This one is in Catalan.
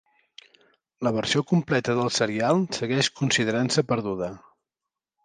La versió completa del serial segueix considerant-se perduda.